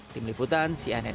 tim liputan cnn indonesia